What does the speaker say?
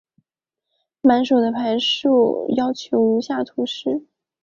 满手的牌数要求如下所示。